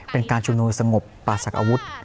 เป็นการชุมนุมสงบปราศักดิอาวุธ